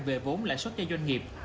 về vốn lãi suất cho doanh nghiệp